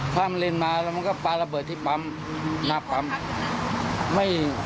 ข้ามเลนมาแล้วมันก็ปลาระเบิดที่ปั๊มหน้าปั๊ม